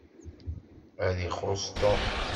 Ad ixuṣ Tom.